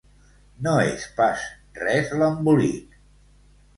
No és pas res l'embolic!